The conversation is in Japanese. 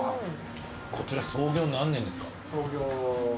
こちら創業何年ですか？